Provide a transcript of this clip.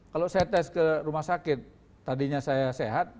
kalau saya tes ke rumah sakit tadinya saya sehat